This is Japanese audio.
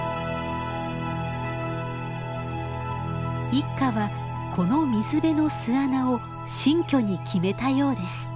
一家はこの水辺の巣穴を新居に決めたようです。